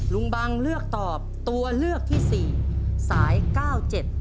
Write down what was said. ลุงบังเลือกตอบตัวเลือกที่สี่สายเก้าเจ็ด